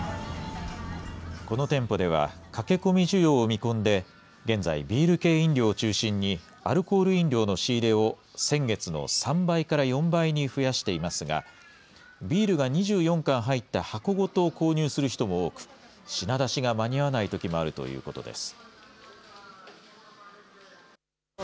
この店舗では、駆け込み需要を見込んで、現在、ビール系飲料を中心に、アルコール飲料の仕入れを先月の３倍から４倍に増やしていますが、ビールが２４缶入った箱ごと購入する人も多く、品出しが間に合わないときもあるということです。